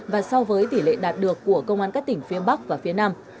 và so với tỷ lệ đạt được của công an các tỉnh phía bắc và phía nam